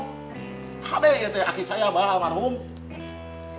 tidak ada yang kayak gini mbak